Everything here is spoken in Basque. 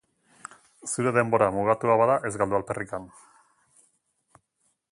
Zure denbora mugatua bada, ez galdu alferrikan.